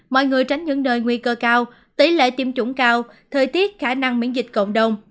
mọi người tránh những nơi nguy cơ cao tỷ lệ tiêm chủng cao thời tiết khả năng miễn dịch cộng đồng